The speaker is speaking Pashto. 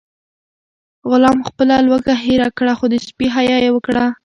غلام خپله لوږه هېره کړه خو د سپي حیا یې وکړه.